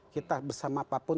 kita bersama apapun